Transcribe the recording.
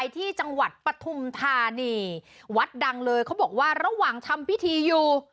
ที่จังหวัดปฐุมธานีวัดดังเลยเขาบอกว่าระหว่างทำพิธีอยู่